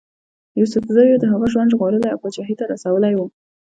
یوسفزیو د هغه ژوند ژغورلی او پاچهي ته رسولی وو.